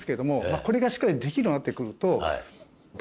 これがしっかりできるようになって来ると。